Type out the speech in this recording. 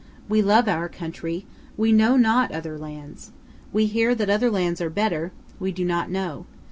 We love our country; we know not other lands. We hear that other lands are better; we do not know.